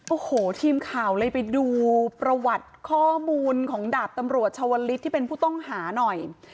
โอ้โหทีมข่าวเลยไปดูประวัติข้อมูลของดาบตำรวจชาวลิศที่เป็นผู้ต้องหาหน่อย